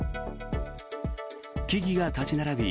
木々が立ち並び